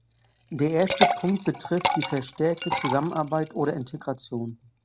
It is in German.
Der erste Punkt betrifft die verstärkte Zusammenarbeit oder Integration.